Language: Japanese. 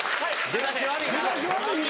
出だし悪いな。